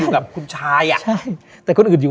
อยู่กับคนชาย